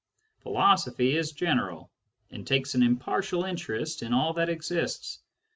Philosophy is general, and takes an impartial interest in all that exists.